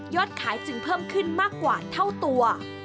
ขายจึงเพิ่มขึ้นมากกว่าเท่าตัว